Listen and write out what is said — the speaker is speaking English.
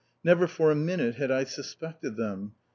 Never for a minute had I suspected them!